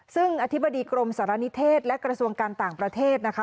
ซึ่งอธิบดีกรมสารณิเทศและกระทรวงการต่างประเทศนะคะ